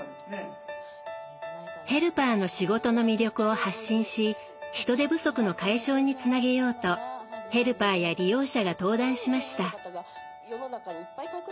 ヘルパーの仕事の魅力を発信し人手不足の解消につなげようとヘルパーや利用者が登壇しました。